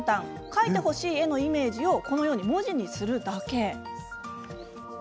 描いてほしい絵のイメージを文字にするだけ。